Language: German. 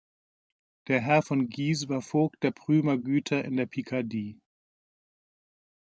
Der Herr von Guise war Vogt der Prümer Güter in der Picardie.